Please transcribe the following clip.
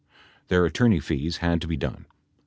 Their attorney fees had to be done.